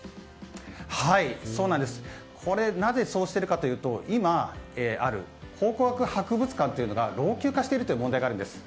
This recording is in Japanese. なぜそうしているかというと今ある考古学博物館というのが老朽化している問題があるんです。